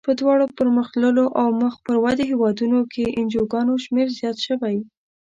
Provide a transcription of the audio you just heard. په دواړو پرمختللو او مخ پر ودې هېوادونو کې د انجوګانو شمیر زیات شوی.